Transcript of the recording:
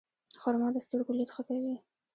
خرما د سترګو لید ښه کوي.